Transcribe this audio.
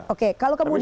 oke kalau kemudian